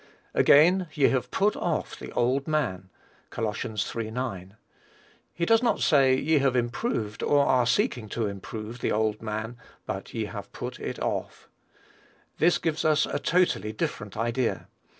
Again, "ye have put off the old man." (Col. iii. 9.) He does not say, Ye have improved or are seeking to improve "the old man;" but, Ye have put it off. This gives us a totally different idea.